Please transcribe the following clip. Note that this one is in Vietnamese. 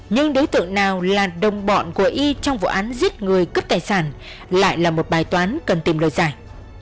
nhưng đối tượng nào là đồng bọn của y trong vụ án giết người cướp tài sản lại là một bài toán cần tìm lời giải